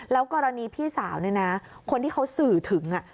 แล้วกรณีพี่สาวเนี่ยนะคนที่เขาสื่อถึง